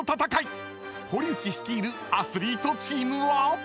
［堀内率いるアスリートチームは］